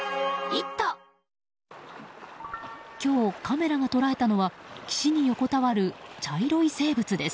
今日、カメラが捉えたのは岸に横たわる茶色い生物です。